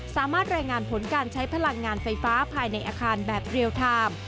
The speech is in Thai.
สามารถรายงานผลการใช้พลังงานไฟฟ้าภายในอาคารแบบเรียลไทม์